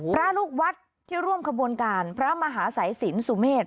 พระลูกวัดที่ร่วมขบวนการพระมหาสายสินสุเมษ